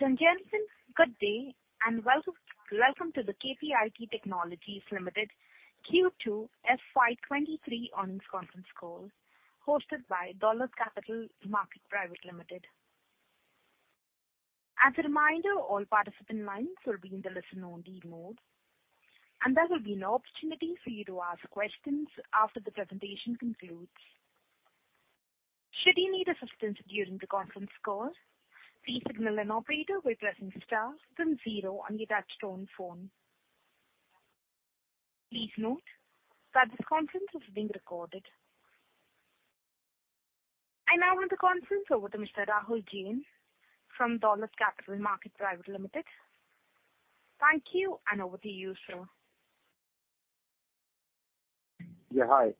Ladies and gentlemen, good day, and welcome to the KPIT Technologies Limited Q2 FY23 earnings conference call hosted by Dolat Capital Market Private Limited. As a reminder, all participant lines will be in the listen-only mode, and there will be an opportunity for you to ask questions after the presentation concludes. Should you need assistance during the Conference Call, please signal an operator by pressing star then zero on your touch-tone phone. Please note that this conference is being recorded. I now hand the conference over to Mr. Rahul Jain from Dolat Capital Market Private Limited. Thank you, and over to you, sir. Yeah, hi.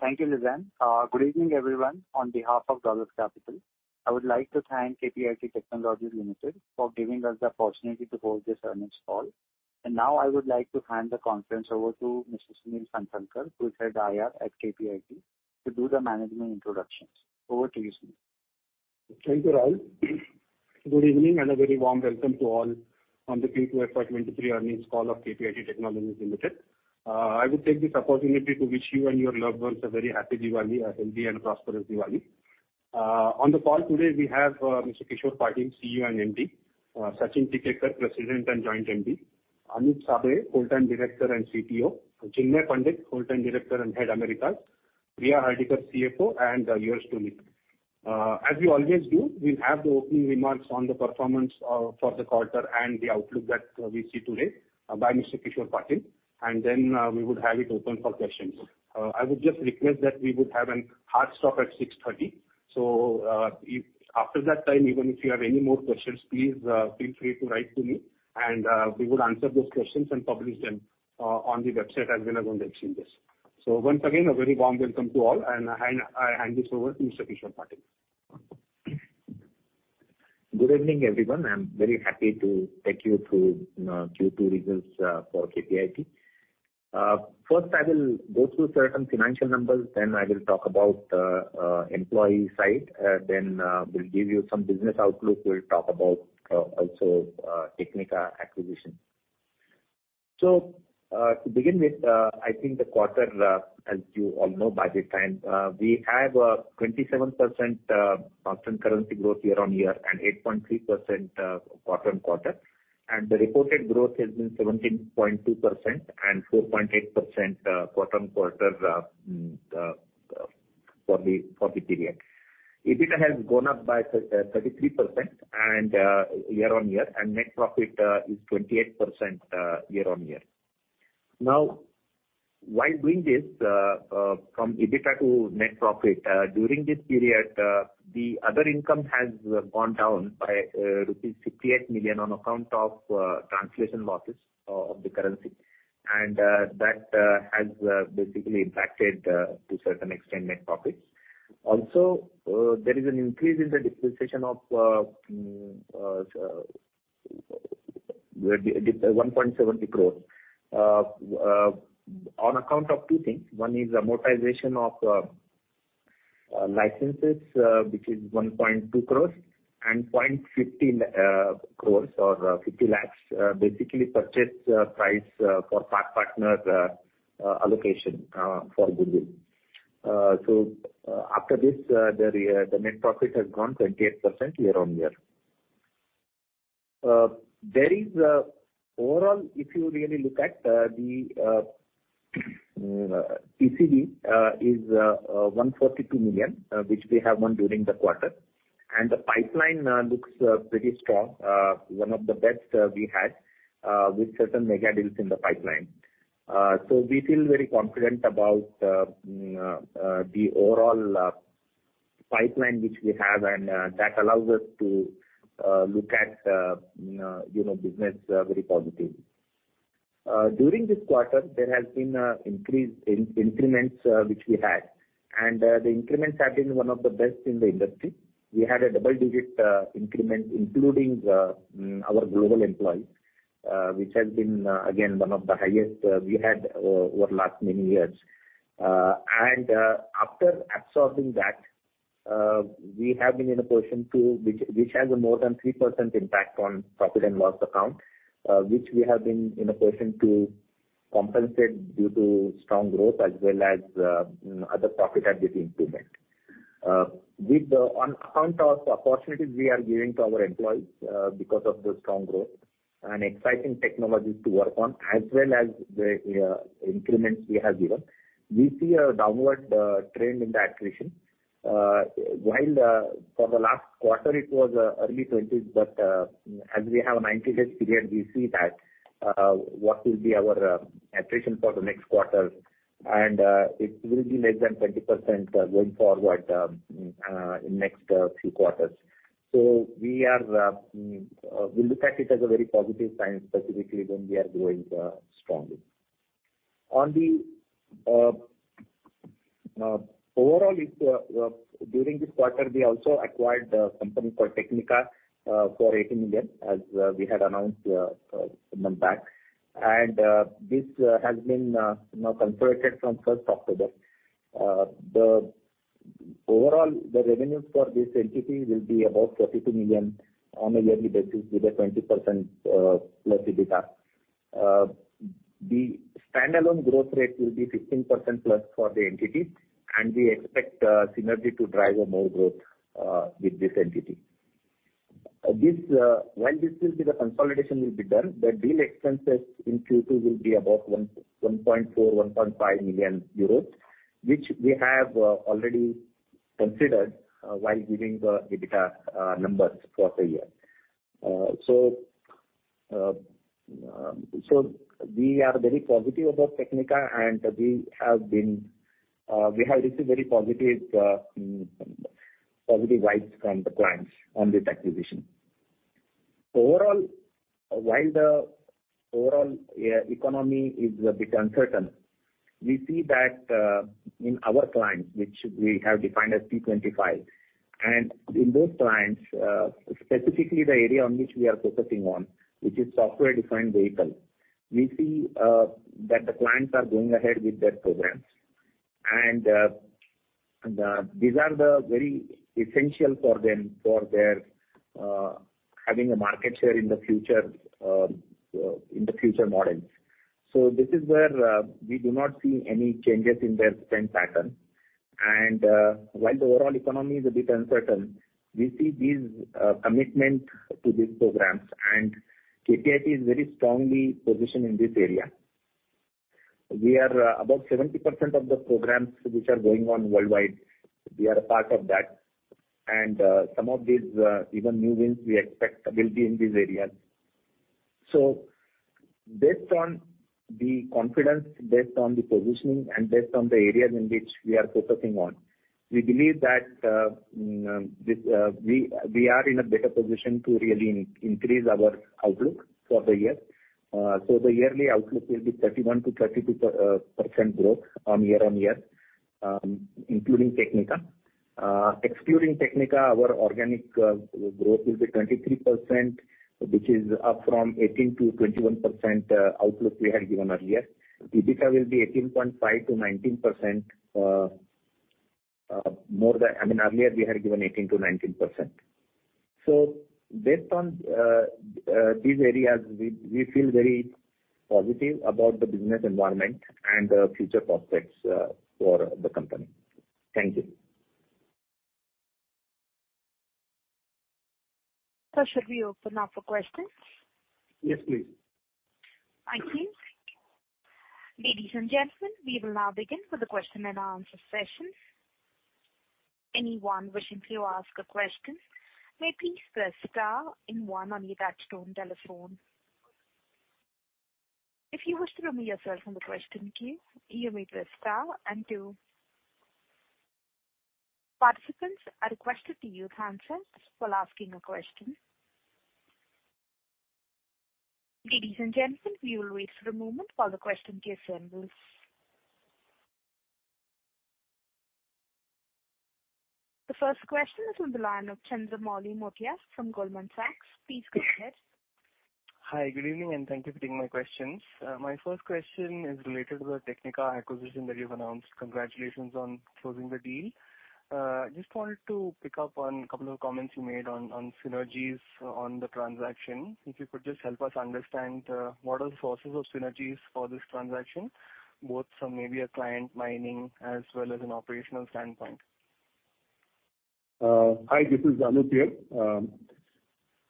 Thank you, Lizanne. Good evening, everyone. On behalf of Dolat Capital, I would like to thank KPIT Technologies Limited for giving us the opportunity to hold this earnings call. Now I would like to hand the conference over to Mr. Sunil Phansalkar, who's head of IR at KPIT, to do the management introductions. Over to you, Sunil. Thank you, Rahul. Good evening, and a very warm welcome to all on the Q2 FY2023 earnings call of KPIT Technologies Limited. I would take this opportunity to wish you and your loved ones a very happy Diwali, a healthy and prosperous Diwali. On the call today we have Mr. Kishor Patil, CEO and MD, Sachin Tikekar, President and Joint MD, Anup Sable, full-time Director and CPO, Shashishekhar Pandit, full-time Director and Head Americas, Priya Hardikar, CFO, and yours truly. As we always do, we'll have the opening remarks on the performance for the quarter and the outlook that we see today by Mr. Kishor Patil, and then we would have it open for questions. I would just request that we would have a hard stop at 6:30 P.M. If after that time, even if you have any more questions, please, feel free to write to me and we would answer those questions and publish them on the website as well as on the exchanges. Once again, a very warm welcome to all, and I hand this over to Mr. Kishor Patil. Good evening, everyone. I'm very happy to take you through Q2 results for KPIT. First I will go through certain financial numbers, then I will talk about employee side. Then we'll give you some business outlook. We'll talk about also Technica acquisition. To begin with, I think the quarter as you all know by the time we have 27% constant currency growth year-on-year and 8.3% quarter-on-quarter. The reported growth has been 17.2% and 4.8% quarter-on-quarter for the period. EBITDA has gone up by 33% and net profit is 28% year-on-year. Now, while doing this, from EBITDA to net profit, during this period, the other income has gone down by rupees 68 million on account of translation losses of the currency. That has basically impacted to certain extent net profits. Also, there is an increase in the depreciation of 1.70 crore on account of two things. One is amortization of licenses, which is 1.2 crore and 0.50 crore or 50 lakh, basically purchase price allocation for PathPartner for goodwill. After this, the net profit has grown 28% year-on-year. Overall, if you really look at the TCV, it is $142 million, which we have won during the quarter. The pipeline looks pretty strong, one of the best we had, with certain mega deals in the pipeline. We feel very confident about the overall pipeline which we have and that allows us to look at, you know, business very positively. During this quarter, there has been an increase in increments, which we had, and the increments have been one of the best in the industry. We had a double-digit increment, including our global employees, which has been again one of the highest we had over last many years. After absorbing that, which has a more than 3% impact on profit and loss account, we have been in a position to compensate due to strong growth as well as other profitability improvement. On account of opportunities we are giving to our employees, because of the strong growth and exciting technologies to work on, as well as the increments we have given, we see a downward trend in the attrition. While for the last quarter it was early 20s, but as we have a nine month period, we see that what will be our attrition for the next quarter and it will be less than 20% going forward in next few quarters. We look at it as a very positive sign, specifically when we are growing strongly. On the overall, during this quarter, we also acquired a company called Technica Engineering for 18 million as we had announced some time back. This has been now consolidated from October 1. The Overall, the revenues for this entity will be about $32 million on a yearly basis with a 20%+ EBITDA. The standalone growth rate will be 15%+ for the entity, and we expect synergy to drive more growth with this entity. While the consolidation will be done, the deal expenses in Q2 will be about 1.4-1.5 million euros, which we have already considered while giving the EBITDA numbers for the year. We are very positive about Technica, and we have received very positive vibes from the clients on this acquisition. Overall, while the economy is a bit uncertain, we see that in our clients, which we have defined as T-25, and in those clients, specifically the area on which we are focusing on, which is software-defined vehicle, we see that the clients are going ahead with their programs. These are the very essential for them for their having a market share in the future, in the future models. This is where we do not see any changes in their spend pattern. While the overall economy is a bit uncertain, we see these commitment to these programs, and KPIT is very strongly positioned in this area. We are about 70% of the programs which are going on worldwide, we are a part of that. Some of these even new wins we expect will be in these areas. Based on the confidence, based on the positioning, and based on the areas in which we are focusing on, we believe that we are in a better position to really increase our outlook for the year. The yearly outlook will be 31%-32% growth year-on-year, including Technica. Excluding Technica, our organic growth will be 23%, which is up from 18%-21% outlook we had given earlier. EBITDA will be 18.5%-19%, more than—I mean, earlier we had given 18%-19%. Based on these areas, we feel very positive about the business environment and the future prospects for the company. Thank you. Should we open now for questions? Yes, please. Thank you. Ladies and gentlemen, we will now begin with the question and answer session. Anyone wishing to ask a question may please Press Star and one on your touchtone telephone. If you wish to remove yourself from the question queue, you may press star and two. Participants are requested to use hand raise while asking a question. Ladies and gentlemen, we will wait for a moment while the question queue assembles. The first question is on the line of Chandramouli Muthiah from Goldman Sachs. Please go ahead. Hi. Good evening, and thank you for taking my questions. My first question is related to the Technica acquisition that you've announced. Congratulations on closing the deal. Just wanted to pick up on a couple of comments you made on synergies on the transaction. If you could just help us understand what are the sources of synergies for this transaction, both from maybe a client mining as well as an operational standpoint. Hi. This is Anup here.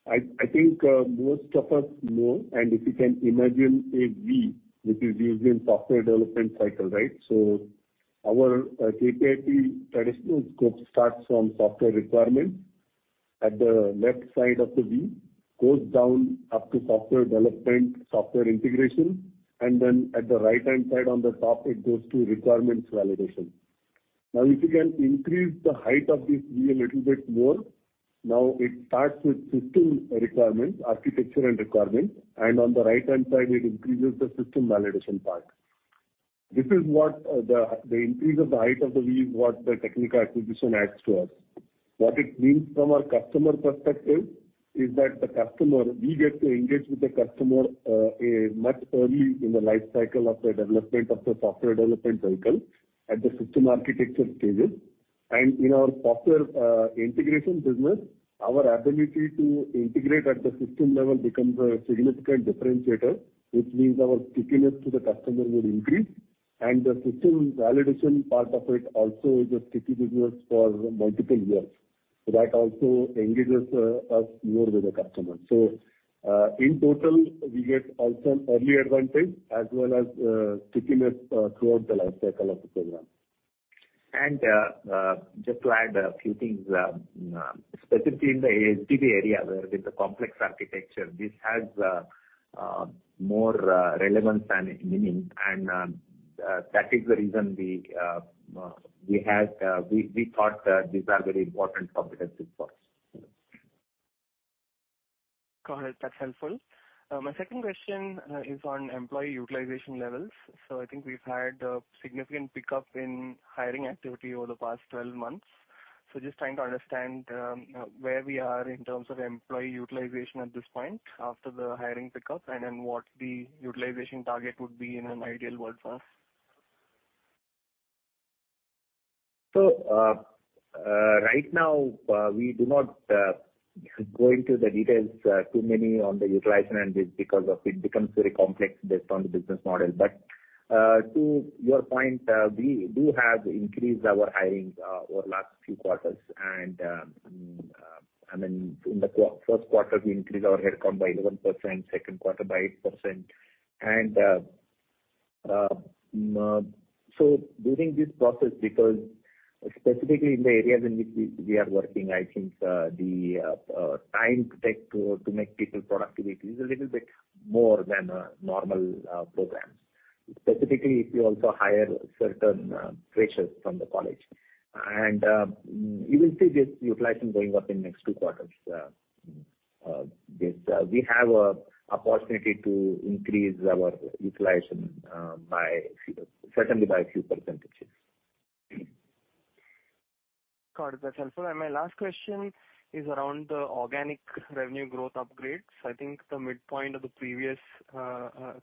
I think most of us know if you can imagine a V, which is used in software development cycle, right? Our KPIT traditional scope starts from software requirements at the left side of the V, goes down up to software development, software integration, and then at the right-hand side on the top, it goes to requirements validation. If you can increase the height of this V a little bit more, it starts with system requirements, architecture and requirements, and on the right-hand side, it increases the system validation part. This is what the increase of the height of the V is what the Technica acquisition adds to us. What it means from a customer perspective is that the customer, we get to engage with the customer much earlier in the lifecycle of the development of the software development cycle at the system architecture stages. In our software integration business, our ability to integrate at the system level becomes a significant differentiator, which means our stickiness to the customer will increase. The system validation part of it also is a stickiness for multiple years. That also engages us more with the customer. In total, we get also an early advantage as well as stickiness throughout the lifecycle of the program. Just to add a few things, specifically in the ADAS area where with the complex architecture, this has more relevance and meaning, and that is the reason we thought these are very important for business for us. Got it. That's helpful. My second question is on employee utilization levels. I think we've had a significant pickup in hiring activity over the past 12 months. Just trying to understand where we are in terms of employee utilization at this point after the hiring pick up, and then what the utilization target would be in an ideal world for us. Right now, we do not go into the details too many on the utilization and this because it becomes very complex based on the business model. To your point, we do have increased our hiring over last few quarters. I mean, in the first quarter, we increased our headcount by 11%, second quarter by 8%. During this process, because specifically in the areas in which we are working, I think the time it takes to make people productive is a little bit more than normal programs. Specifically if you also hire certain freshers from the college. You will see this utilization going up in next two quarters. We have a possibility to increase our utilization by a few, certainly by a few%. Got it. That's helpful. My last question is around the organic revenue growth upgrades. I think the midpoint of the previous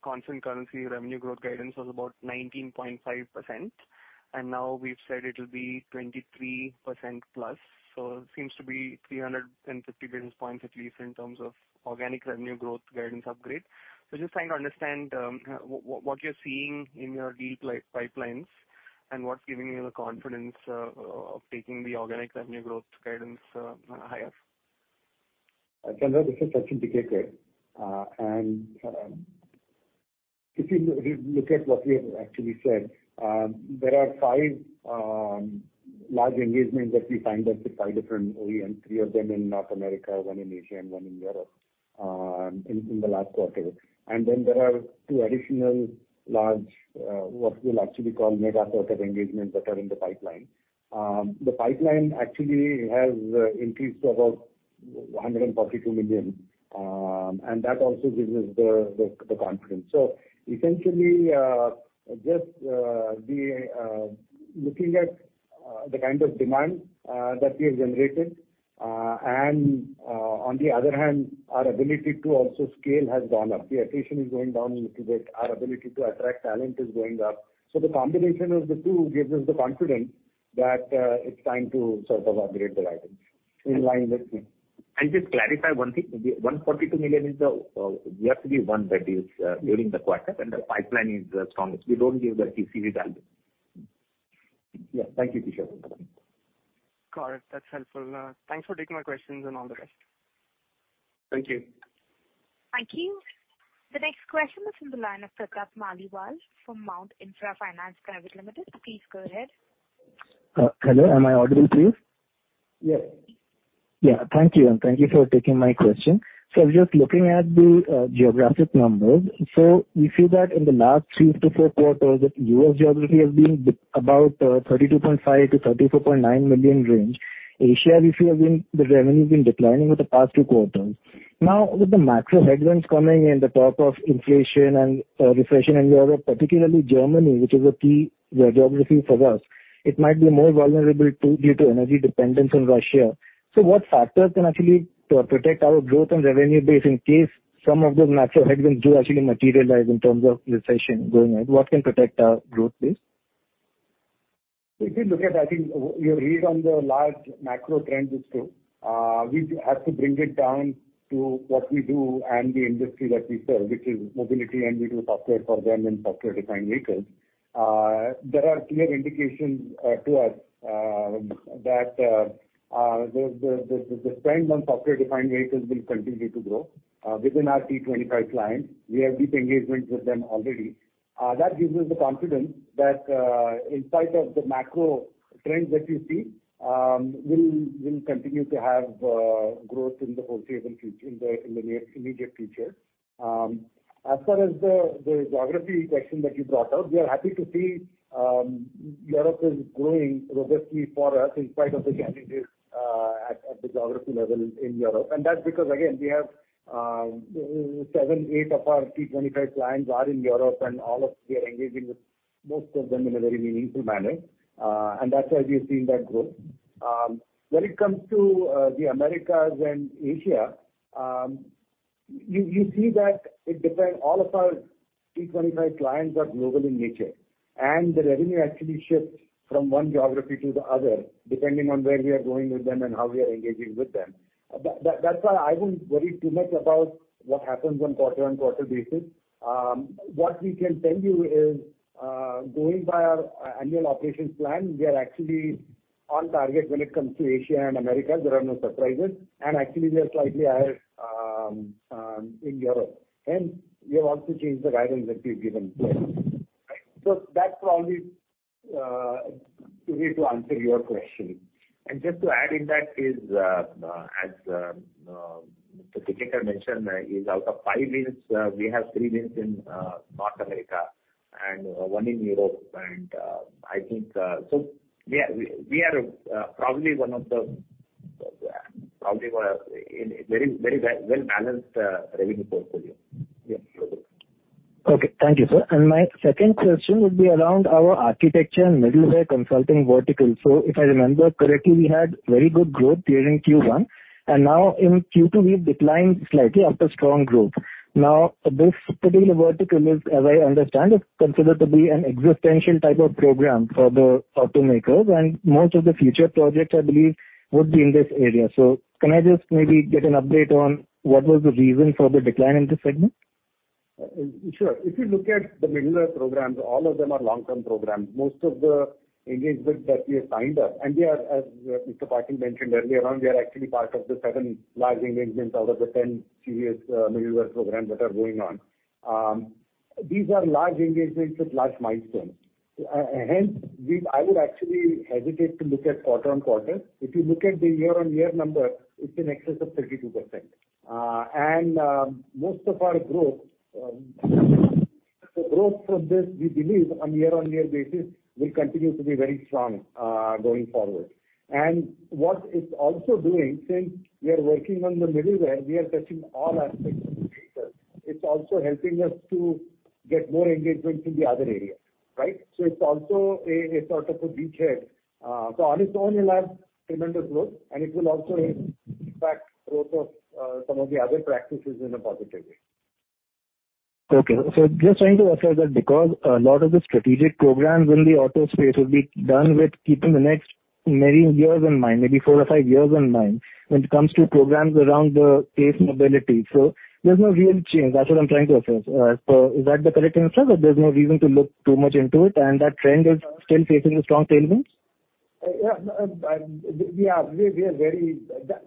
constant currency revenue growth guidance was about 19.5%, and now we've said it'll be 23%+. It seems to be 350 basis points at least in terms of organic revenue growth guidance upgrade. Just trying to understand what you're seeing in your deal pipelines and what's giving you the confidence of taking the organic revenue growth guidance higher. Chandra, this is Sachin Tikekar. If you look at what we have actually said, there are five large engagements that we signed up with five different OEM, three of them in North America, one in Asia, and one in Europe, in the last quarter. Then there are two additional large what we'll actually call mega quarter engagements that are in the pipeline. The pipeline actually has increased to about $142 million. And that also gives us the confidence. Essentially, just looking at the kind of demand that we have generated, and on the other hand, our ability to also scale has gone up. The attrition is going down a little bit. Our ability to attract talent is going up. The combination of the two gives us the confidence that it's time to sort of upgrade the guidance in line with me. Just clarify one thing. The $142 million is the one we have won that is during the quarter, and the pipeline is the strongest. We don't give the TCV value. Yeah, thank you, Kishor. Got it. That's helpful. Thanks for taking my questions and all the rest. Thank you. Thank you. The next question is from the line of Prakash Maliwal from Motilal Oswal Financial Services Limited. Please go ahead. Hello, am I audible, please? Yes. Yeah. Thank you. Thank you for taking my question. Just looking at the geographic numbers. We see that in the last 3-4 quarters, the U.S. geography has been about $32.5 million-$34.9 million range. Asia, we see, the revenue has been declining over the past two quarters. Now, with the macro headwinds coming and the talk of inflation and recession and all that, particularly Germany, which is a key geography for us, it might be more vulnerable too due to energy dependence on Russia. What factors can actually protect our growth and revenue base in case some of those macro headwinds do actually materialize in terms of recession going on? What can protect our growth base? If you look at, I think your read on the large macro trends is true. We have to bring it down to what we do and the industry that we serve, which is mobility, and we do software for them and software-defined vehicles. There are clear indications to us that the spend on software-defined vehicles will continue to grow within our T-25 clients. We have deep engagements with them already. That gives us the confidence that in spite of the macro trends that you see, we'll continue to have growth in the immediate future. As far as the geography question that you brought up, we are happy to see Europe is growing robustly for us in spite of the challenges at the geography level in Europe. That's because again, we have seven, eight of our T-25 clients in Europe and we are engaging with most of them in a very meaningful manner. That's why we have seen that growth. When it comes to the Americas and Asia, you see that it depends. All of our T-25 clients are global in nature, and the revenue actually shifts from one geography to the other, depending on where we are going with them and how we are engaging with them. That's why I wouldn't worry too much about what happens on a quarter-over-quarter basis. What we can tell you is, going by our annual operations plan, we are actually on target when it comes to Asia and Americas. There are no surprises. Actually, we are slightly higher in Europe, and we have also changed the guidance that we've given there. That's probably easy to answer your question. Just to add, as Mr. Tikekar mentioned, out of five wins, we have three wins in North America and one in Europe. I think we are probably one of the Probably a very well-balanced revenue portfolio. Yeah. Okay. Thank you, sir. My second question would be around our architecture and middleware consulting vertical. If I remember correctly, we had very good growth during Q1, and now in Q2 we've declined slightly after strong growth. Now, this particular vertical, as I understand, is considered to be an essential type of program for the automakers, and most of the future projects, I believe, would be in this area. Can I just maybe get an update on what was the reason for the decline in this segment? Sure. If you look at the middleware programs, all of them are long-term programs. Most of the engagements that we have signed up are, as Mr. Patil mentioned earlier on, actually part of the 7 large engagements out of the 10 serious middleware programs that are going on. These are large engagements with large milestones. Hence, I would actually hesitate to look at quarter-on-quarter. If you look at the year-on-year number, it's in excess of 32%. Most of our growth, the growth from this, we believe on year-on-year basis will continue to be very strong going forward. What it's also doing, since we are working on the middleware, we are touching all aspects of the data. It's also helping us to get more engagements in the other area, right? It's also a sort of beachhead. On its own it will have tremendous growth and it will also impact growth of some of the other practices in a positive way. Okay. Just trying to assess that because a lot of the strategic programs in the auto space will be done with keeping the next many years in mind, maybe four or five years in mind when it comes to programs around the CASE mobility. There's no real change. That's what I'm trying to assess. Is that the correct answer, that there's no reason to look too much into it and that trend is still facing a strong tailwind? Yeah. We are very.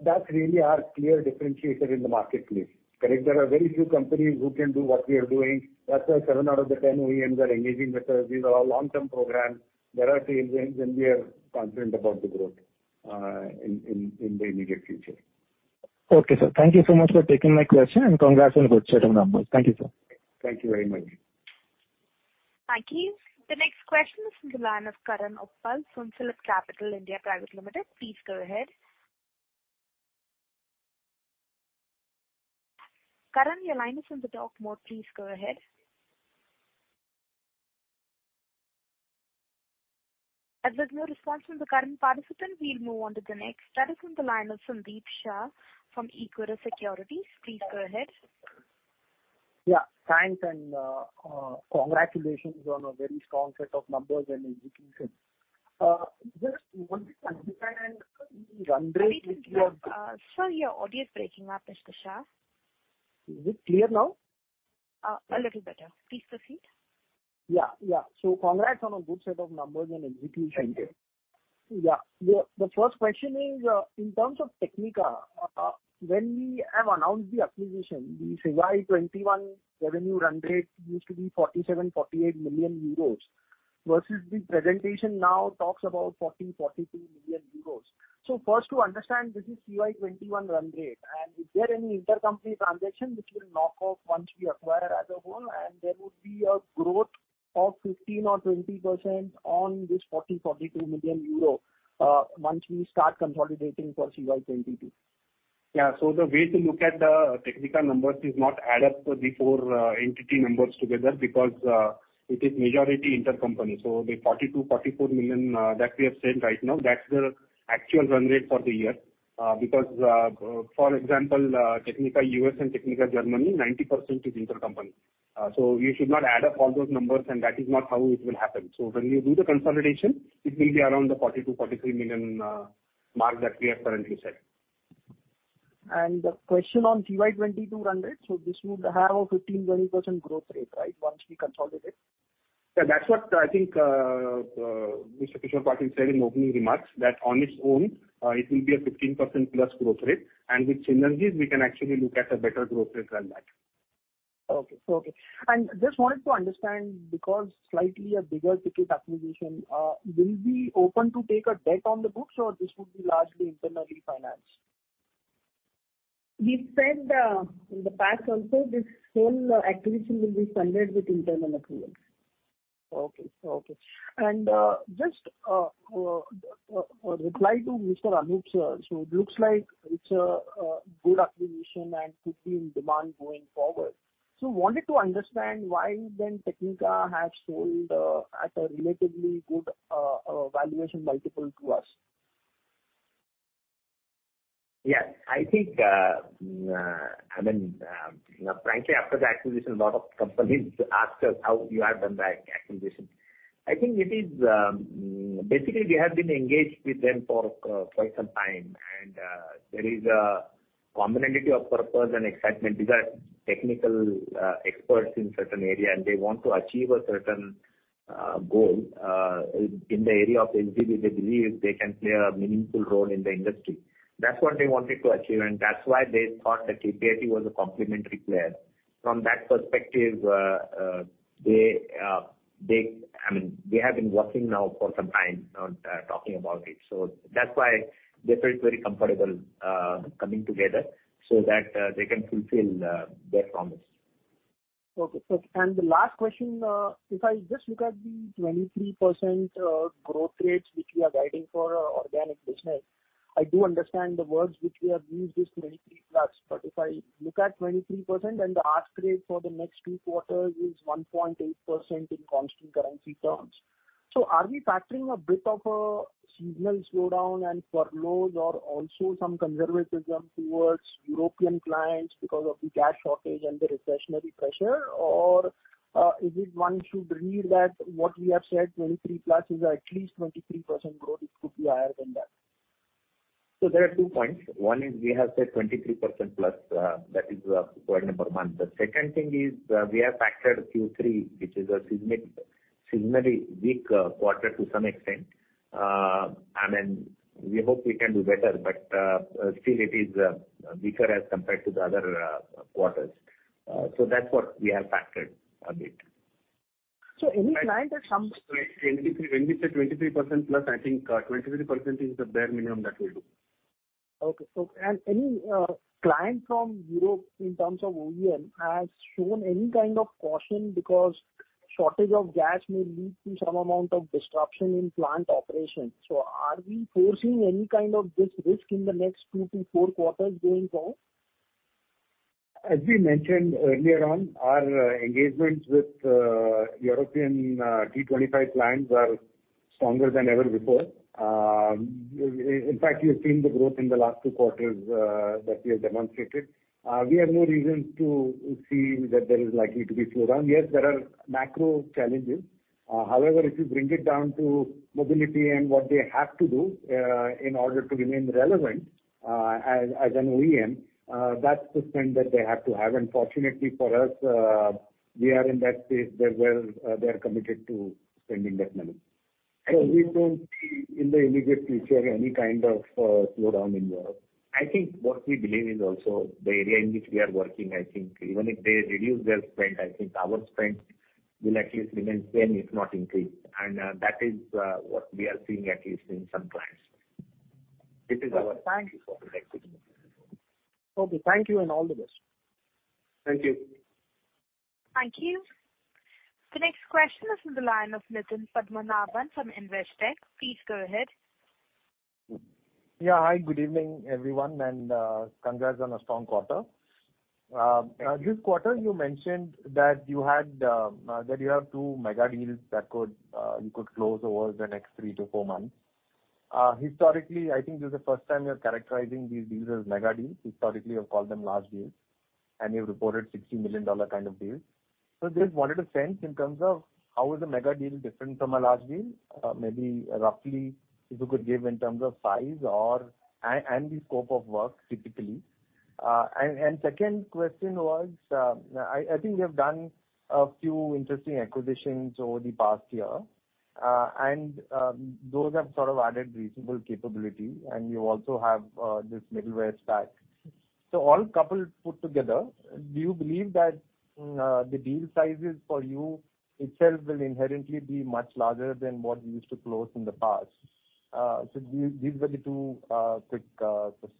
That's really our clear differentiator in the marketplace. Correct. There are very few companies who can do what we are doing. That's why seven out of the 10 OEMs are engaging with us. These are all long-term programs. There are tailwinds, and we are confident about the growth in the immediate future. Okay, sir. Thank you so much for taking my question, and congrats on a good set of numbers. Thank you, sir. Thank you very much. Thank you. The next question is from the line of Karan Uppal from PhillipCapital India Private Limited. Please go ahead. Karan, your line is on the talk mode. Please go ahead. As there's no response from the Karan participant, we'll move on to the next. That is from the line of Sandeep Shah from Equirus Securities. Please go ahead. Yeah, thanks and, congratulations on a very strong set of numbers and execution. Just wanted to understand the run rate with your- Sorry to interrupt. Sir, your audio is breaking up, Mr. Shah. Is it clear now? A little better. Please proceed. Yeah. Yeah. Congrats on a good set of numbers and execution. Thank you. Yeah. The first question is, in terms of Technica, when we have announced the acquisition, the CY 2021 revenue run rate used to be 47 million-48 million euros versus the presentation now talks about 40 million-42 million euros. First to understand, this is CY 2021 run rate and is there any intercompany transaction which will knock off once we acquire as a whole and there would be a growth of 15% or 20% on this 40 million-42 million euro once we start consolidating for CY 2022? Yeah. The way to look at the Technica numbers is not add up the four entity numbers together because it is majority intercompany. The $42-$44 million that we have said right now, that's the actual run rate for the year. Because, for example, Technica U.S. and Technica Germany, 90% is intercompany. You should not add up all those numbers and that is not how it will happen. When we do the consolidation, it will be around the $42-$43 million mark that we have currently said. The question on CY 2022 run rate. This would have a 15%-20% growth rate, right, once we consolidate? Yeah. That's what I think, Mr. Kishor Patil said in opening remarks, that on its own, it will be a 15%+ growth rate. With synergies, we can actually look at a better growth rate than that. Just wanted to understand because it's a slightly bigger ticket acquisition. Will we be open to taking on debt on the books or would this be largely internally financed? We've said, in the past also this whole acquisition will be funded with internal approval. Just a reply to Mr. Anup, sir. It looks like it's a good acquisition and could be in demand going forward. Wanted to understand why then Technica has sold at a relatively good valuation multiple to us. Yeah. I think, I mean, frankly, after the acquisition, a lot of companies asked us how you have done the acquisition. I think it is basically we have been engaged with them for quite some time. There is a commonality of purpose and excitement. These are technical experts in certain area, and they want to achieve a certain goal. In the area of SDV, they believe they can play a meaningful role in the industry. That's what they wanted to achieve, and that's why they thought that KPIT was a complementary player. From that perspective, they, I mean, they have been working now for some time on talking about it. That's why they felt very comfortable coming together so that they can fulfill their promise. Okay. The last question, if I just look at the 23% growth rates which we are guiding for our organic business, I do understand the words which we have used is 23+, but if I look at 23% and the ask rate for the next two quarters is 1.8% in constant currency terms, are we factoring a bit of a seasonal slowdown and furloughs or also some conservatism towards European clients because of the gas shortage and the recessionary pressure? Or, is it one should read that what we have said, 23+, is at least 23% growth, it could be higher than that. There are two points. One is we have said 23%+, that is, point number one. The second thing is, we have factored Q3, which is a seasonally weak quarter to some extent. Then we hope we can do better, but still it is weaker as compared to the other quarters. That's what we have factored a bit. Any client that some When we say 23% plus, I think 23% is the bare minimum that we'll do. Any client from Europe in terms of OEM has shown any kind of caution because shortage of gas may lead to some amount of disruption in plant operations? Are we foreseeing any kind of this risk in the next 2-4 quarters going forward? As we mentioned earlier on, our engagements with European T-25 clients are stronger than ever before. In fact, you've seen the growth in the last two quarters that we have demonstrated. We have no reason to see that there is likely to be slowdown. Yes, there are macro challenges. However, if you bring it down to mobility and what they have to do in order to remain relevant as an OEM, that's the spend that they have to have. Fortunately for us, we are in that space where they are committed to spending that money. We don't see in the immediate future any kind of slowdown in Europe. I think what we believe is also the area in which we are working. I think even if they reduce their spend, I think our spend will at least remain same, if not increase. That is what we are seeing at least in some clients. It is our- Thank you. Okay, thank you and all the best. Thank you. Thank you. The next question is from the line of Nitin Padmanabhan from Investec. Please go ahead. Yeah. Hi, good evening, everyone, and congrats on a strong quarter. This quarter you mentioned that you have two mega deals that you could close over the next 3-4 months. Historically, I think this is the first time you're characterizing these deals as mega deals. Historically, you've called them large deals, and you've reported $60 million kind of deals. Just wanted a sense in terms of how is a mega deal different from a large deal? Maybe roughly if you could give in terms of size or the scope of work typically. Second question was, I think you have done a few interesting acquisitions over the past year, and those have sort of added reasonable capability. You also have this middleware stack. All coupled put together, do you believe that the deal sizes for you itself will inherently be much larger than what you used to close in the past? These were the two quick questions.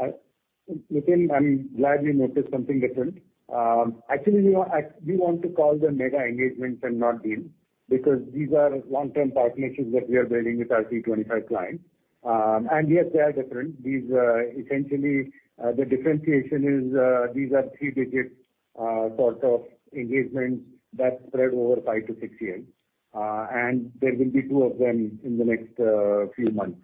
Thanks. Nitin, I'm glad we noticed something different. Actually, you know, we want to call them mega engagements and not deals because these are long-term partnerships that we are building with our T-25 clients. Yes, they are different. These essentially the differentiation is these are three-digit sort of engagements that spread over 5-6 years. There will be two of them in the next few months.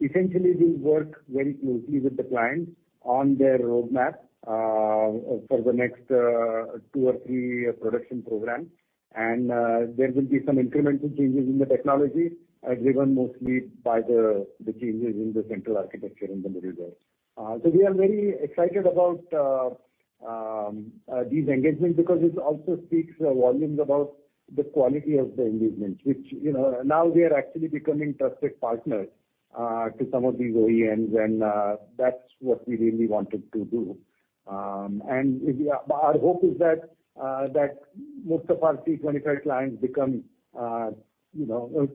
Essentially, we work very closely with the clients on their roadmap for the next two or three production programs. There will be some incremental changes in the technology driven mostly by the changes in the central architecture in the middleware. We are very excited about these engagements because it also speaks volumes about the quality of the engagements, which, you know, now we are actually becoming trusted partners to some of these OEMs. That's what we really wanted to do. Our hope is that most of our T-25 clients become, you know,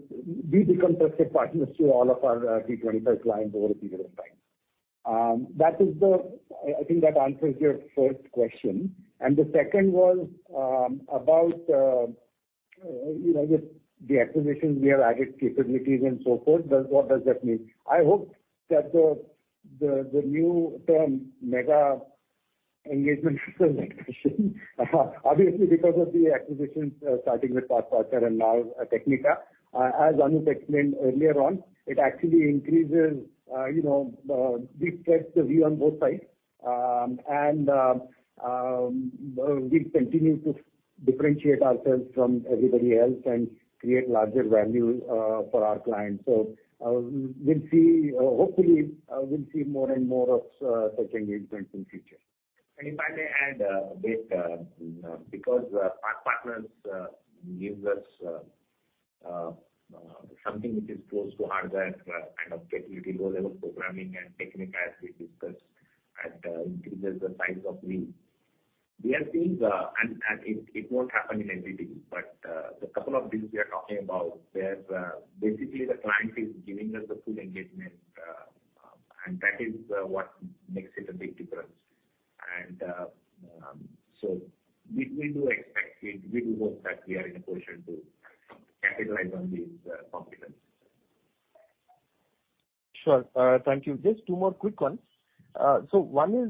we become trusted partners to all of our T-25 clients over a period of time. I think that answers your first question. The second was about, you know, with the acquisitions, we have added capabilities and so forth. What does that mean? I hope that the new term mega engagement obviously because of the acquisitions, starting with PathPartner and now, Technica, as Anup explained earlier on, it actually increases, you know, we stretch the view on both sides. We continue to differentiate ourselves from everybody else and create larger value for our clients. We'll see. Hopefully, we'll see more and more of such engagements in future. If I may add, because PathPartner gives us something which is close to hardware kind of capability, low-level programming and Technica, as we discussed, increases the size of the We have seen and it won't happen in everything, but the couple of deals we are talking about where basically the client is giving us the full engagement, and that is what makes it a big difference. We do expect, we do hope that we are in a position to capitalize on these opportunities. Sure. Thank you. Just two more quick ones. So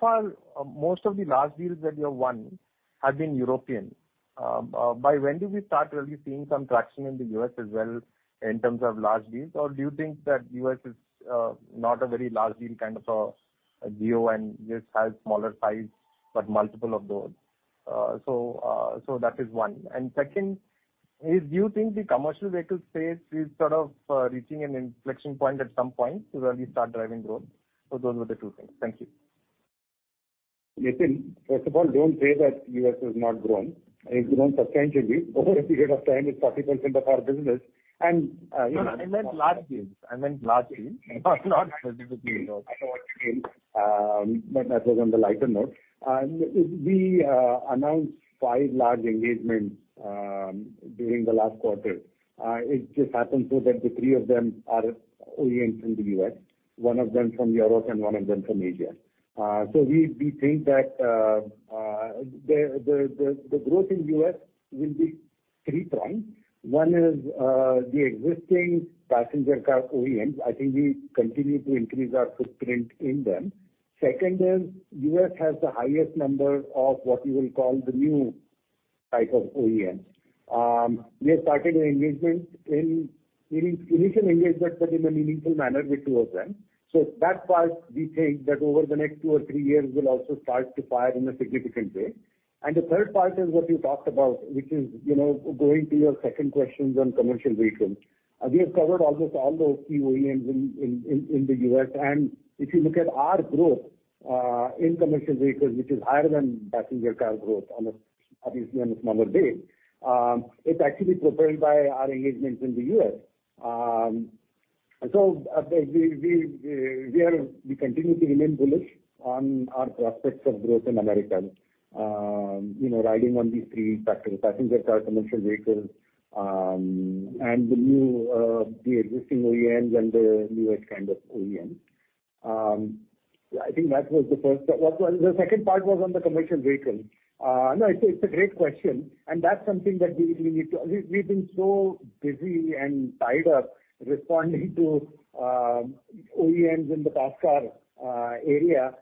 far, most of the large deals that you have won have been European. By when do we start really seeing some traction in the U.S. as well in terms of large deals? Or do you think that U.S. is not a very large deal kind of a deal and just have smaller size, but multiple of those? That is one. Second is, do you think the commercial vehicle space is sort of reaching an inflection point at some point to where we start driving growth? Those were the two things. Thank you. Nitin, first of all, don't say that U.S. has not grown. It grew substantially over a period of time, it's 30% of our business. You know. No, I meant large deals. Not significant growth. I know what you mean. That was on the lighter note. We announced 5 large engagements during the last quarter. It just happened so that the three of them are oriented to the U.S., 1 of them from Europe and 1 of them from Asia. We think that the growth in U.S. will be three pronged. One is the existing passenger car OEMs. I think we continue to increase our footprint in them. Second is U.S. has the highest number of what you will call the new type of OEMs. We have started an initial engagement, but in a meaningful manner with two of them. That part we think that over the next two or three years will also start to fire in a significant way. The third part is what you talked about, which is, you know, going to your second question on commercial vehicles. We have covered almost all those key OEMs in the U.S. If you look at our growth in commercial vehicles, which is higher than passenger car growth, obviously on a smaller base, it's actually propelled by our engagements in the U.S. We continue to remain bullish on our prospects of growth in America, you know, riding on these three factors: passenger car, commercial vehicles, and the existing OEMs and the newer kind of OEMs. I think that was the first. What was the second part was on the commercial vehicle. No, it's a great question, and that's something that we need to. We've been so busy and tied up responding to OEMs in the passenger car area,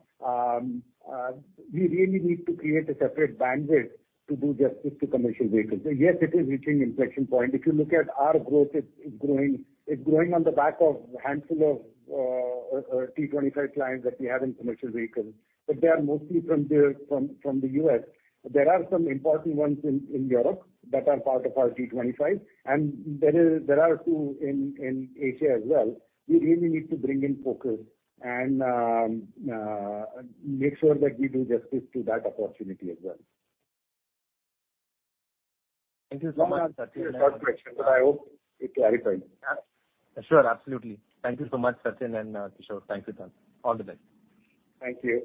we really need to create a separate bandwidth to do justice to commercial vehicles. Yes, it is reaching inflection point. If you look at our growth, it's growing on the back of a handful of T-25 clients that we have in commercial vehicles, but they are mostly from the U.S. There are some important ones in Europe that are part of our T-25, and there are 2 in Asia as well. We really need to bring in focus and make sure that we do justice to that opportunity as well. Thank you so much, Sachin. Long answer to your short question, but I hope it clarifies. Sure. Absolutely. Thank you so much, Sachin and Kishor. Thank you. All the best. Thank you.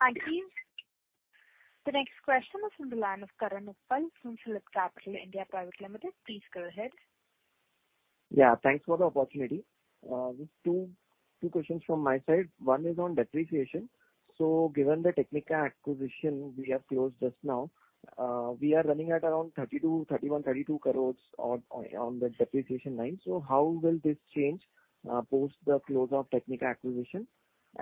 Thank you. The next question is from the line of Karan Uppal from PhillipCapital India Private Limited. Please go ahead. Yeah, thanks for the opportunity. Just two questions from my side. One is on depreciation. Given the Technica Engineering acquisition we have closed just now, we are running at around 31-32 crores on the depreciation line. How will this change post the close of Technica Engineering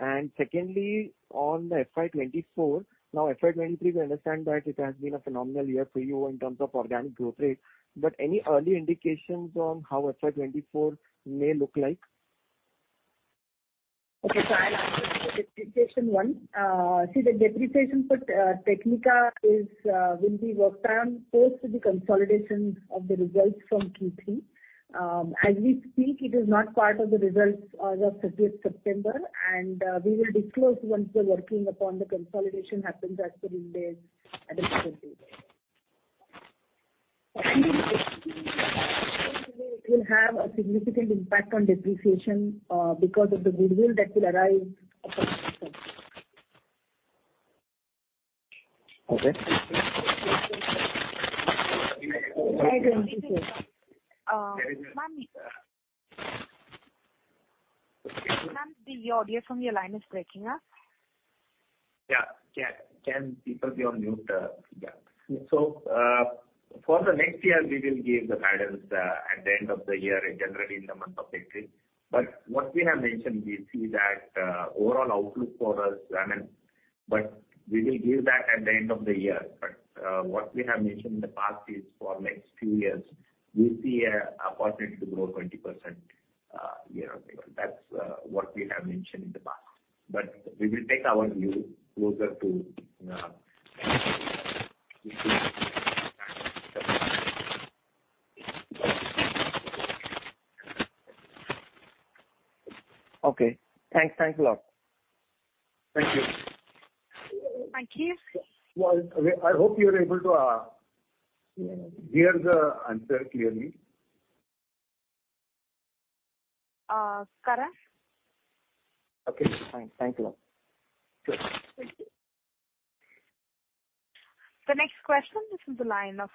acquisition? Secondly, on the FY 2024, FY 2023 we understand that it has been a phenomenal year for you in terms of organic growth rate, but any early indications on how FY 2024 may look like? I'll answer the depreciation one. The depreciation for Technica will be worked on post the consolidation of the results from Q3. As we speak, it is not part of the results as of thirtieth September, and we will disclose once the working upon the consolidation happens as per Ind AS adoption date. It will have a significant impact on depreciation because of the goodwill that will arise upon. Okay. FY 2024. Ma'am. Ma'am, the audio from your line is breaking up. Yeah. Can people be on mute? Yeah. For the next year, we will give the guidance at the end of the year in January, in the month of April. What we have mentioned, we see that overall outlook for us, I mean. We will give that at the end of the year. What we have mentioned in the past is for next few years, we see a possibility to grow 20% year-over-year. That's what we have mentioned in the past. We will take our view closer to, Okay. Thanks. Thanks a lot. Thank you. Thank you. Well, I hope you are able to hear the answer clearly. Karan? Okay, fine. Thank you. Thank you. The next question is from the line of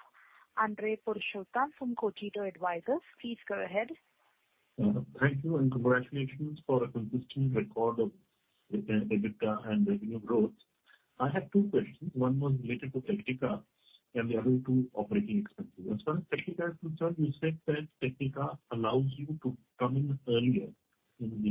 Andrey Purushottam from Cogito Advisors. Please go ahead. Thank you, and congratulations for a consistent record of EBITDA and revenue growth. I have two questions. One was related to Technica and the other to operating expenses. As far as Technica is concerned, you said that Technica allows you to come in earlier in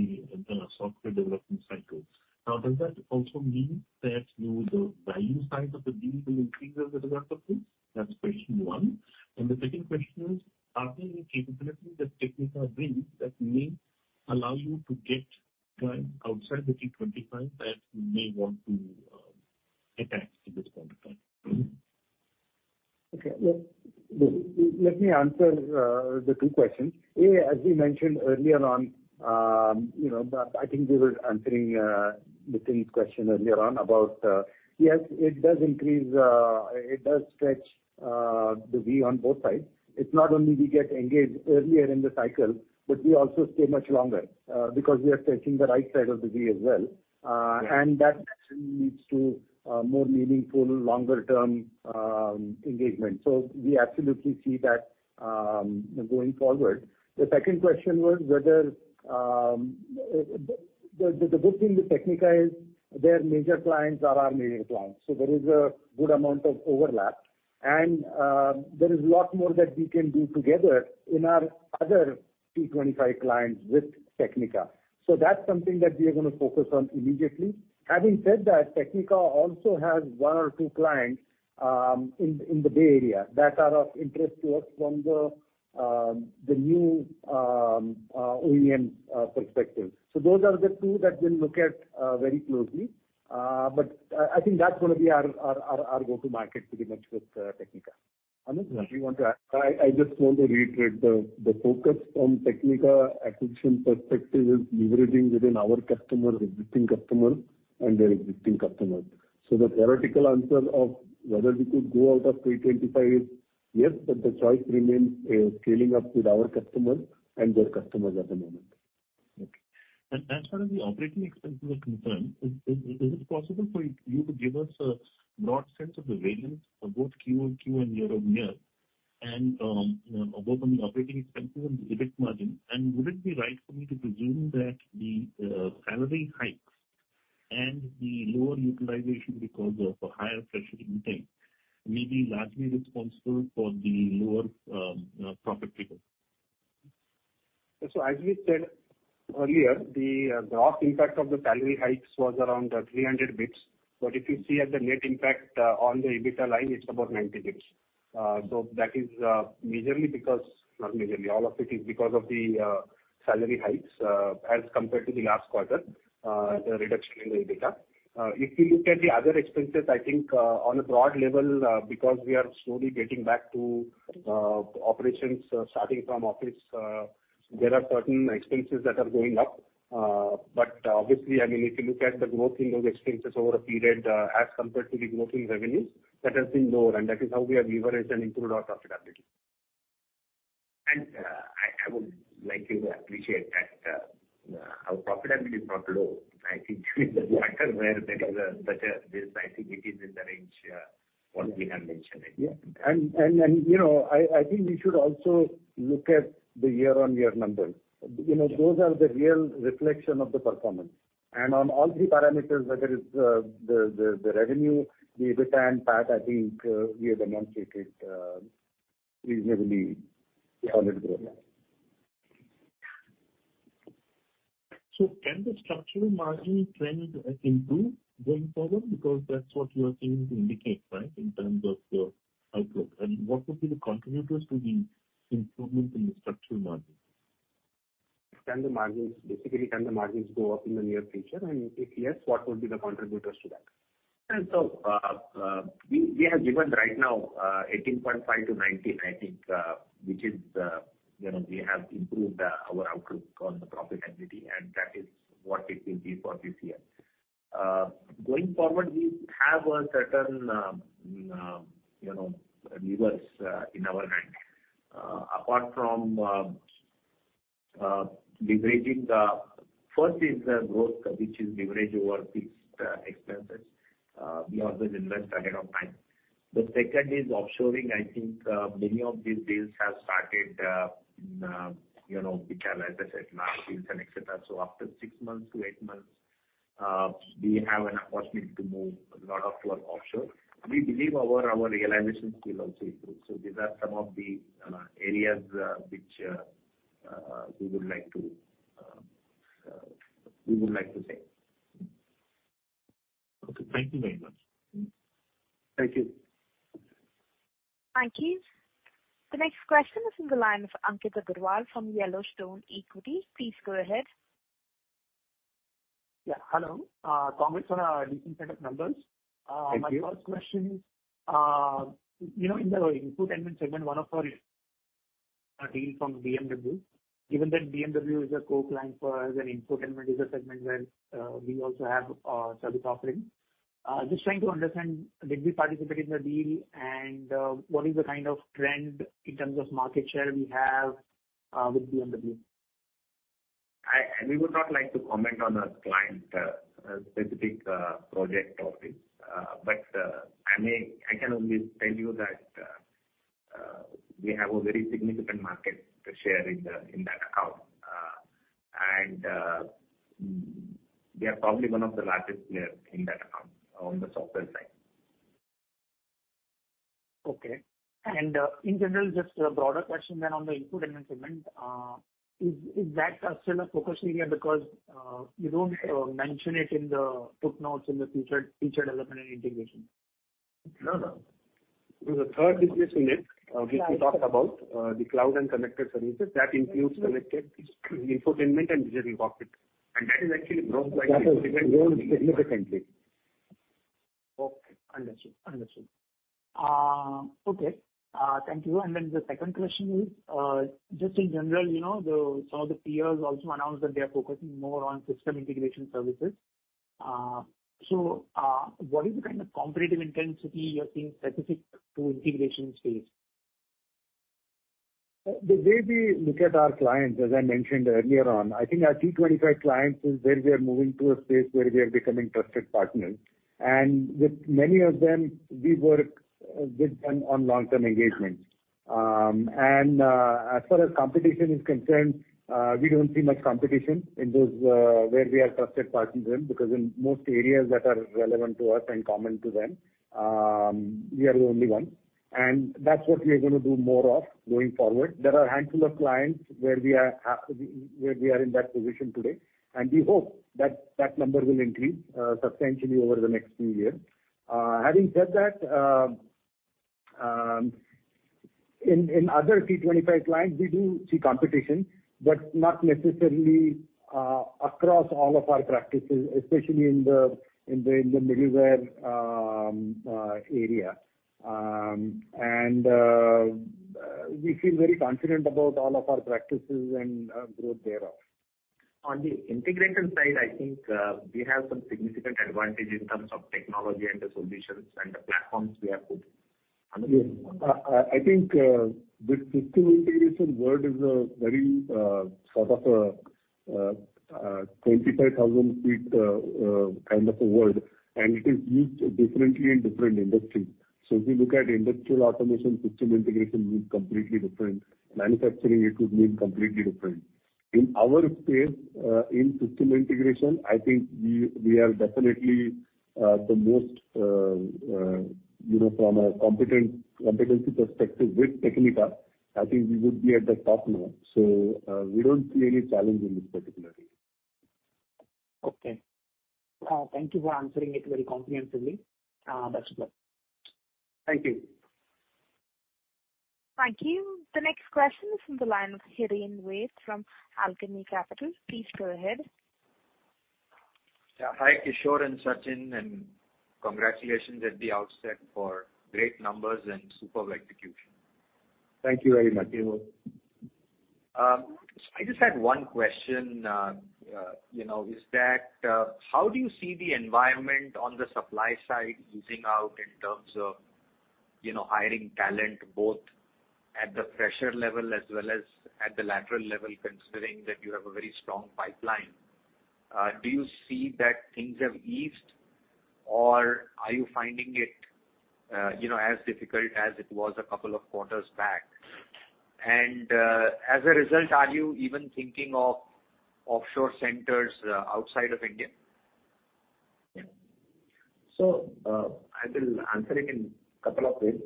the software development cycle. Now, does that also mean that, you know, the value side of the deal will increase as a result of this? That's question one. The second question is, are there any capabilities that Technica brings that may allow you to get clients outside the T-25 that you may want to attach to this point of time? Okay. Let me answer the two questions. As we mentioned earlier on, you know, but I think we were answering Nithin's question earlier on about, yes, it does increase, it does stretch the V on both sides. It's not only we get engaged earlier in the cycle, but we also stay much longer because we are stretching the right side of the V as well. Yeah. That actually leads to more meaningful, longer-term engagement. We absolutely see that going forward. The second question was whether the good thing with Technica is their major clients are our major clients, so there is a good amount of overlap. There is lot more that we can do together in our other T-25 clients with Technica. That's something that we are gonna focus on immediately. Having said that, Technica also has one or two clients in the Bay Area that are of interest to us from the new OEM perspective. Those are the two that we'll look at very closely. But I think that's gonna be our go-to-market pretty much with Technica. Anup, I just want to reiterate the focus from Technica acquisition perspective is leveraging within our existing customers and their existing customers. The theoretical answer of whether we could go out of T-25 is yes, but the choice remains, scaling up with our customers and their customers at the moment. Okay. As far as the operating expenses are concerned, is it possible for you to give us a broad sense of the variance for both Q-over-Q and year-over-year and, you know, both on the operating expenses and the EBIT margin? Would it be right for me to presume that the salary hikes and the lower utilization because of a higher fresher intake may be largely responsible for the lower profitability? As we said earlier, the gross impact of the salary hikes was around 300 basis points. If you see at the net impact on the EBITDA line, it's about 90 basis points. That is all of it is because of the salary hikes as compared to the last quarter the reduction in the EBITDA. If you look at the other expenses, I think on a broad level because we are slowly getting back to operations starting from office there are certain expenses that are going up. Obviously, I mean, if you look at the growth in those expenses over a period as compared to the growth in revenues, that has been lower, and that is how we have leveraged and improved our profitability. I would like you to appreciate that our profitability is not low. I think with the factor where there is a such a base, I think it is in the range, what we have mentioned, I think. Yeah, you know, I think we should also look at the year-on-year numbers. You know, those are the real reflection of the performance. On all three parameters, whether it's the revenue, the EBITDA and PAT, I think we have demonstrated reasonably solid growth. Can the structural margin trend improve going forward? Because that's what you are seeming to indicate, right, in terms of your outlook. What would be the contributors to the improvement in the structural margin? Basically, can the margins go up in the near future? If yes, what would be the contributors to that? We have given right now 18.5%-19%, I think, which is, you know, we have improved our outlook on the profitability, and that is what it will be for this year. Going forward, we have a certain, you know, levers in our hand. Apart from, first is the growth which is leverage over fixed expenses. We have to invest ahead of time. The second is offshoring. I think many of these deals have started, you know, which are, as I said, large deals and et cetera. After 6-8 months, we have an opportunity to move a lot of work offshore. We believe our realizations will also improve. These are some of the areas which we would like to say. Okay, thank you very much. Thank you. Thank you. The next question is from the line of Ankit Agrawal from Yellowstone Equity. Please go ahead. Yeah, hello. Congrats on a decent set of numbers. Thank you. My first question is, you know, in the infotainment segment, one of our deal from BMW, given that BMW is a core client for us and infotainment is a segment where we also have service offering. Just trying to understand, did we participate in the deal, and what is the kind of trend in terms of market share we have with BMW? We would not like to comment on a client specific project of this. I can only tell you that we have a very significant market share in that account. We are probably one of the largest players in that account on the software side. Okay. In general, just a broader question then on the infotainment segment. Is that still a focus area because you don't mention it in the footnotes in the future development and integration? No, no. It was the third business unit, which we talked about, the cloud and connected services. That includes connected infotainment and digital cockpit. That is actually growing quite significantly. That has grown significantly. Okay, understood. Okay, thank you. The second question is, just in general, you know, some of the peers also announced that they are focusing more on system integration services. So, what is the kind of competitive intensity you're seeing specific to integration space? The way we look at our clients, as I mentioned earlier on, I think our T-25 clients is where we are moving to a space where we are becoming trusted partners. With many of them, we work with them on long-term engagements. As far as competition is concerned, we don't see much competition in those where we are trusted partners in, because in most areas that are relevant to us and common to them, we are the only one. That's what we are gonna do more of going forward. There are a handful of clients where we are in that position today, and we hope that that number will increase substantially over the next few years. Having said that, in other T-25 clients, we do see competition, but not necessarily across all of our practices, especially in the middleware area. We feel very confident about all of our practices and growth thereof. On the integration side, I think we have some significant advantage in terms of technology and the solutions and the platforms we have put. Anil? Yes. I think the system integration word is a very sort of a 25,000-foot kind of a word, and it is used differently in different industries. If you look at industrial automation, system integration means completely different. Manufacturing, it would mean completely different. In our space, in system integration, I think we are definitely the most you know, from a competency perspective with Technica, I think we would be at the top now. We don't see any challenge in this particularly. Okay. Thank you for answering it very comprehensively. That's all. Thank you. Thank you. The next question is from the line of Hiren Ved from Alchemy Capital. Please go ahead. Yeah. Hi, Kishor and Sachin, and congratulations at the outset for great numbers and superb execution. Thank you very much, Hiren. I just had one question. You know, how do you see the environment on the supply side easing out in terms of, you know, hiring talent both at the fresher level as well as at the lateral level, considering that you have a very strong pipeline? Do you see that things have eased or are you finding it, you know, as difficult as it was a couple of quarters back? As a result, are you even thinking of offshore centers outside of India? I will answer it in couple of ways.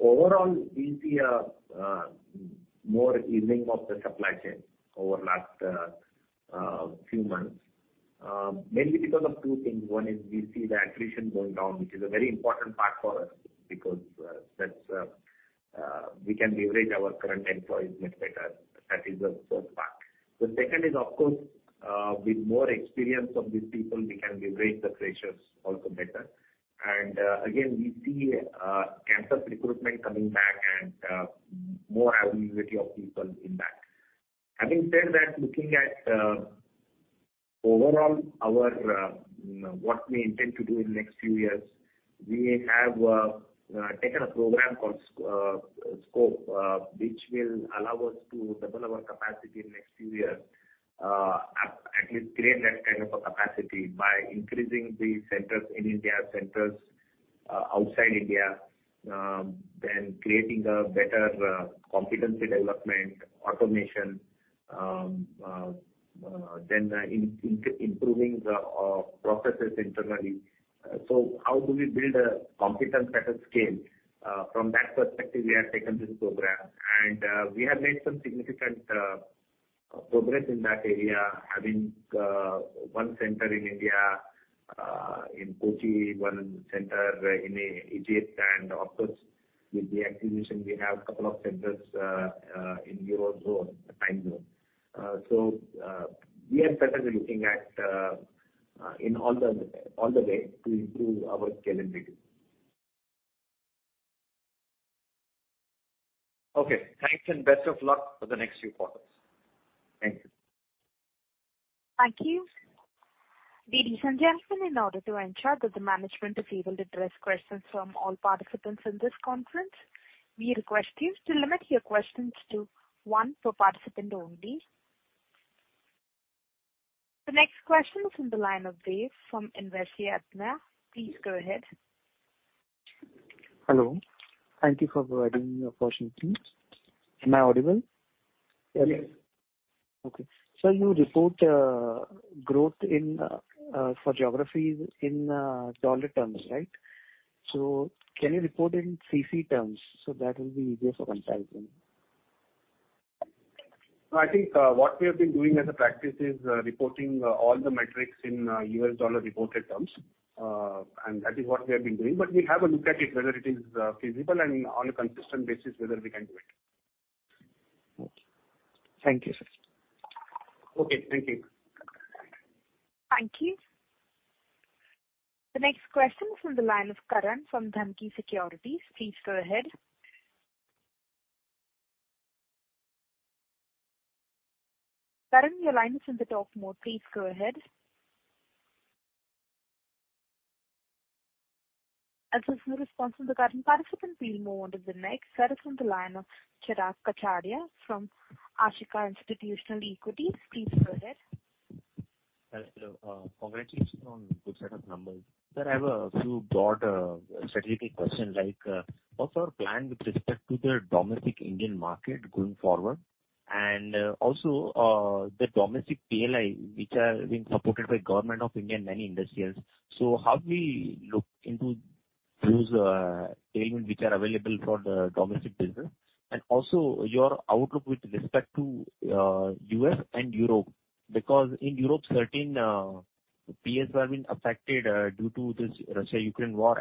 Overall we see more easing of the supply chain over last few months. Mainly because of two things. One is we see the attrition going down, which is a very important part for us because that's we can leverage our current employees much better. That is the first part. The second is of course, with more experience of these people we can leverage the freshers also better. Again, we see campus recruitment coming back and more availability of people in that. Having said that, looking at overall our what we intend to do in next few years, we have taken a program called SCOPE, which will allow us to develop our capacity in next few years. At least create that kind of a capacity by increasing the centers in India, outside India. Creating a better competency development, automation. Improving the processes internally. How do we build a competency at scale? From that perspective we have taken this program and we have made some significant progress in that area, having one center in India in Kochi, one center in Egypt. Of course with the acquisition we have couple of centers in the Eurozone time zone. We are certainly looking at all the ways to improve our scalability. Okay. Thanks and best of luck for the next few quarters. Thank you. Thank you. Ladies and gentlemen, in order to ensure that the management is able to address questions from all participants in this conference, we request you to limit your questions to one per participant only. The next question is on the line of Dev from Investec. Please go ahead. Hello. Thank you for providing me an opportunity. Am I audible? Yes. Okay. You report growth in four geographies in dollar terms, right? Can you report it in CC terms, so that will be easier for comparison? No, I think what we have been doing as a practice is reporting all the metrics in U.S. dollar reported terms. That is what we have been doing. We'll have a look at it, whether it is feasible and on a consistent basis whether we can do it. Okay. Thank you, sir. Okay, thank you. Thank you. The next question is on the line of Karan from Dhanki Securities. Please go ahead. Karan, your line is on the talk mode. Please go ahead. As there's no response from the Karan participant, we'll move on to the next. Next is on the line of Chirag Kachhadiya from Ashika Institutional Equities. Please go ahead. Hello, sir. Congratulations on good set of numbers. Sir, I have a few broad strategic questions, like, what's our plan with respect to the domestic Indian market going forward? Also, the domestic PLI, which are being supported by Government of India in many industries. How do we look into those tailwinds which are available for the domestic business? Also, your outlook with respect to U.S. and Europe, because in Europe certain OEMs have been affected due to this Russia-Ukraine war.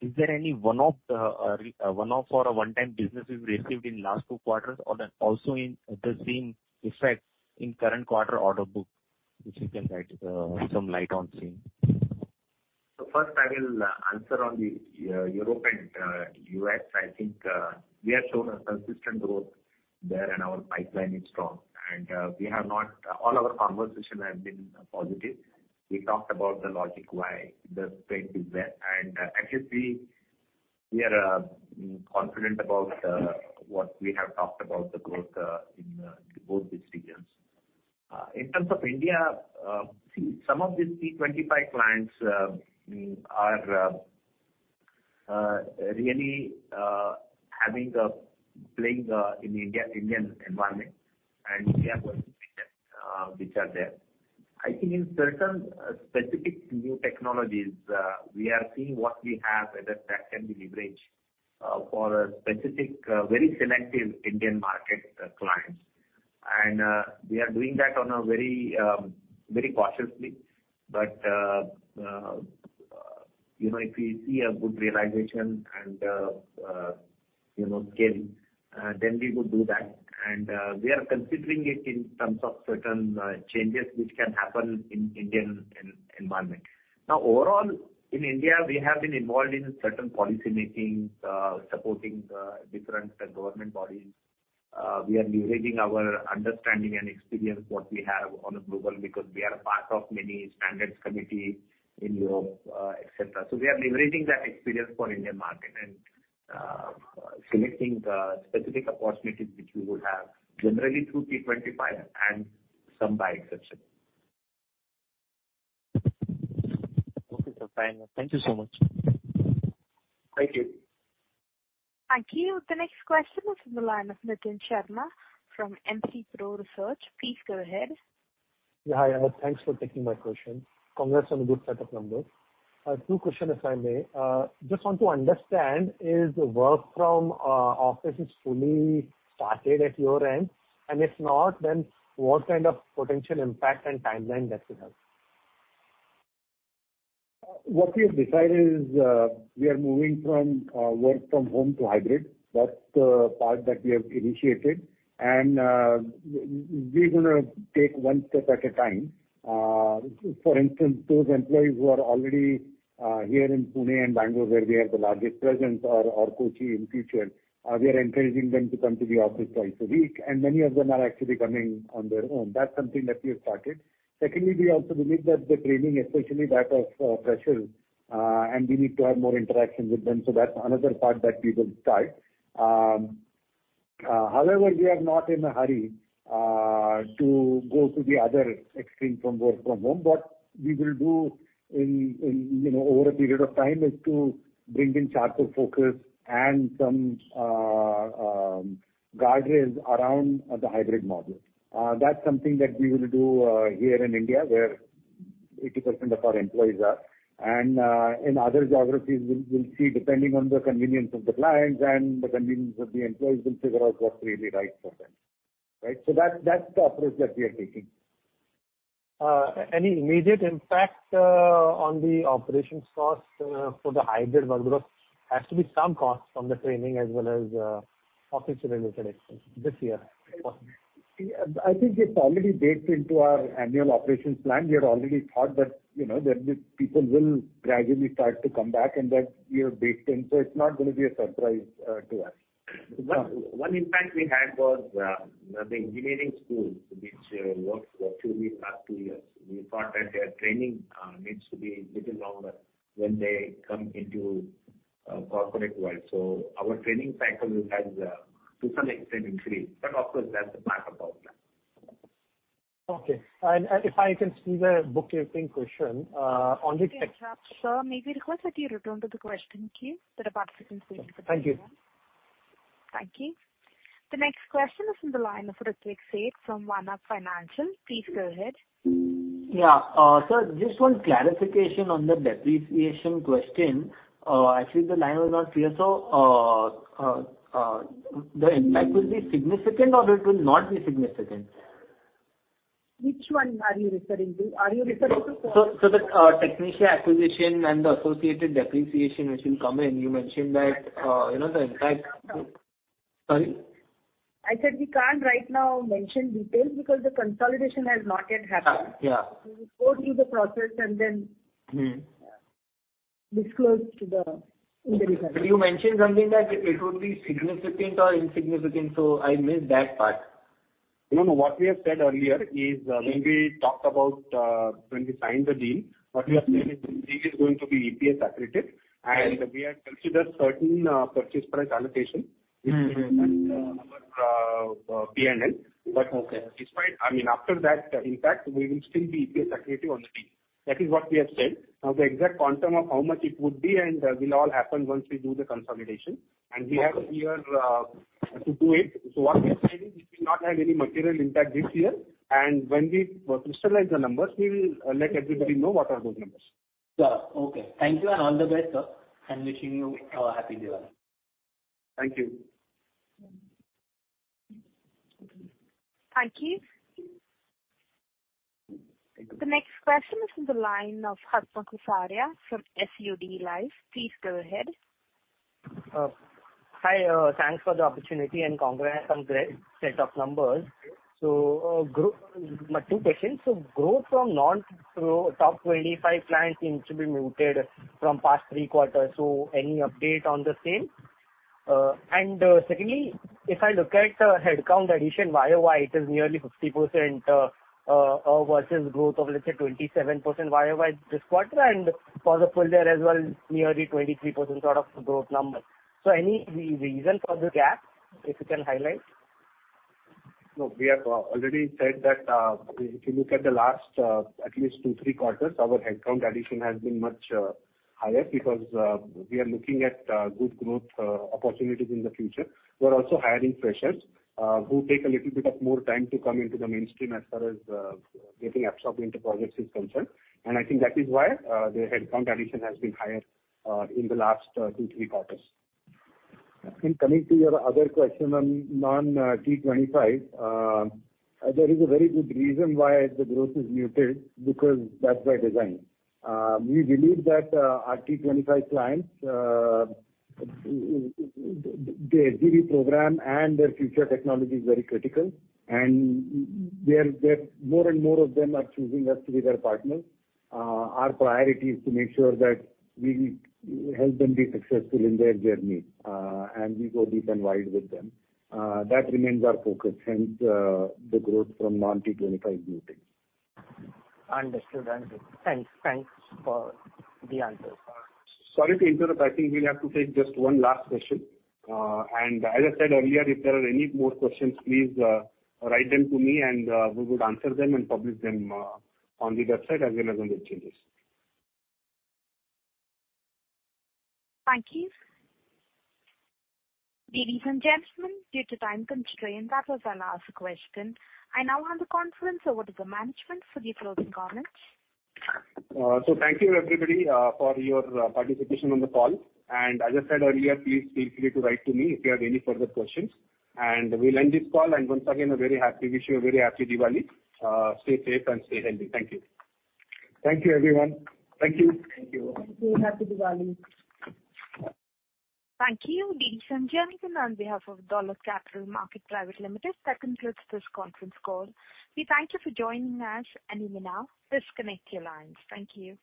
Is there any one-off or a one-time business we've received in last two quarters or that also in the same effect in current quarter order book, if you can throw some light on same. First I will answer on the Europe and US. I think we have shown a consistent growth there and our pipeline is strong. All our conversation has been positive. We talked about the logic why the strength is there. Actually, we are confident about what we have talked about the growth in both these regions. In terms of India, some of these T-25 clients are really having a play in Indian environment. We are going to take that which are there. I think in certain specific new technologies we are seeing what we have whether that can be leveraged for a specific very selective Indian market clients. We are doing that very cautiously. you know, if we see a good realization and, you know, scale, then we would do that. We are considering it in terms of certain changes which can happen in Indian environment. Now, overall, in India, we have been involved in certain policy making, supporting, different government bodies. We are leveraging our understanding and experience what we have globally, because we are a part of many standards committee in Europe, et cetera. We are leveraging that experience for Indian market and, selecting the specific opportunities which we would have generally through T-25 and some by exception. Okay, sir. Thank you so much. Thank you. Thank you. The next question is on the line of Nitin Sharma from MC Pro Research. Please go ahead. Yeah, hi. Thanks for taking my question. Congrats on a good set of numbers. I have two questions, if I may. Just want to understand, is work from office fully started at your end? If not, then what kind of potential impact and timeline does it have? What we have decided is, we are moving from work from home to hybrid. That's the part that we have initiated. We're gonna take one step at a time. For instance, those employees who are already here in Pune and Bangalore, where we have the largest presence or Kochi in future, we are encouraging them to come to the office twice a week. Many of them are actually coming on their own. That's something that we have started. Secondly, we also believe that the training, especially that of freshers, and we need to have more interaction with them. That's another part that we will start. However, we are not in a hurry to go to the other extreme from work from home. What we will do in you know over a period of time is to bring in clearer focus and some guardrails around the hybrid model. That's something that we will do here in India, where 80% of our employees are. In other geographies, we'll see, depending on the convenience of the clients and the convenience of the employees, we'll figure out what's really right for them, right? That's the approach that we are taking. Any immediate impact on the operations cost for the hybrid work though? Has to be some cost from the training as well as office related expenses this year possibly. I think it already baked into our annual operations plan. We had already thought that, you know, that the people will gradually start to come back and that we are baked in, so it's not gonna be a surprise to us. One impact we had was the engineering school, which worked for two weeks after years. We thought that their training needs to be little longer when they come into corporate world. Our training cycle has to some extent increased. Of course, that's a part of our plan. Okay. If I can see the bookkeeping question, on the Sir, may we request that you return to the question queue so the participants will. Thank you. Thank you. The next question is from the line of Ritwik Seth from Wanna Financial. Please go ahead. Yeah, sir, just one clarification on the depreciation question. Actually, the line was not clear. The impact will be significant or it will not be significant? Which one are you referring to? The Technica acquisition and the associated depreciation which will come in, you mentioned that, you know, the impact. Sorry. I said we can't right now mention details because the consolidation has not yet happened. Yeah. We will go through the process. Mm-hmm disclose to the in the result. You mentioned something that it would be significant or insignificant, so I missed that part. No, no. What we have said earlier is, when we talked about, when we signed the deal, what we have said is this deal is going to be EPS accretive. We have considered certain purchase price allocation. Mm-hmm. Which will impact our P&L. Okay Despite, I mean, after that impact, we will still be EPS accretive on the deal. That is what we have said. Now, the exact quantum of how much it would be and will all happen once we do the consolidation. We have a year to do it. What we're saying is it will not have any material impact this year. When we crystallize the numbers, we will let everybody know what are those numbers. Sure. Okay. Thank you and all the best, sir, and wishing you a happy Diwali. Thank you. Thank you. The next question is from the line of Harsh Khusaria from SUD Life. Please go ahead. Hi, thanks for the opportunity and congrats on great set of numbers. Two questions. Growth from non-top 25 clients seems to be muted from past three quarters, so any update on the same? And secondly, if I look at the headcount addition YOY, it is nearly 50%, versus growth of, let's say, 27% YOY this quarter, and for the full year as well, nearly 23% sort of growth number. Any reason for the gap, if you can highlight? No, we have already said that, if you look at the last, at least two, three quarters, our headcount addition has been much higher because we are looking at good growth opportunities in the future. We're also hiring freshers, who take a little bit of more time to come into the mainstream as far as getting absorbed into projects is concerned. I think that is why the headcount addition has been higher in the last two, three quarters. Coming to your other question on non-T-25, there is a very good reason why the growth is muted, because that's by design. We believe that our T-25 clients, their SDV program and their future technology is very critical and more and more of them are choosing us to be their partners. Our priority is to make sure that we help them be successful in their journey, and we go deep and wide with them. That remains our focus, hence the growth from non-T-25 clients. Understood. Thanks for the answers. Sorry to interrupt. I think we'll have to take just one last question. As I said earlier, if there are any more questions, please write them to me and we would answer them and publish them on the website as and when there's changes. Thank you. Ladies and gentlemen, due to time constraint, that was our last question. I now hand the conference over to the management for the closing comments. Thank you everybody for your participation on the call. As I said earlier, please feel free to write to me if you have any further questions. We'll end this call, and once again, wish you a very happy Diwali. Stay safe and stay healthy. Thank you. Thank you everyone. Thank you. Thank you. Happy Diwali. Thank you. Ladies and gentlemen, on behalf of Dolat Capital Market Private Limited, that concludes this conference call. We thank you for joining us and you may now disconnect your lines. Thank you.